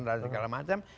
dan segala macam